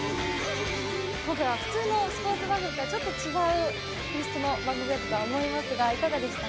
ここでは普通のスポーツ番組とはちょっと違う性質の番組だとは思いますがいかがでした？